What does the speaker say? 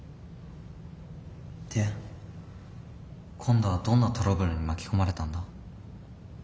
で今度はどんなトラブルに巻き込まれたんだ？